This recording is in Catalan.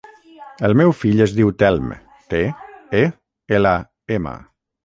El meu fill es diu Telm: te, e, ela, ema.